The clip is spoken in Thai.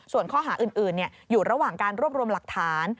ส่วนข้อหาอื่นอยู่ระหว่างการรวบรวมหลักฐาน